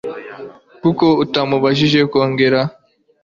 kuko utamubujije kongera